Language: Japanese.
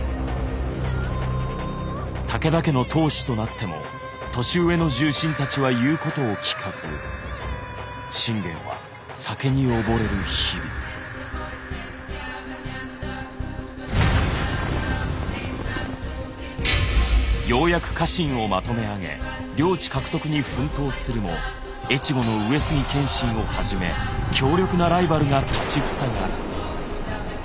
武田家の当主となっても年上の重臣たちは言うことを聞かず信玄はようやく家臣をまとめ上げ領地獲得に奮闘するも越後の上杉謙信をはじめ強力なライバルが立ち塞がる。